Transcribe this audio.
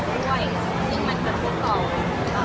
ช่องความหล่อของพี่ต้องการอันนี้นะครับ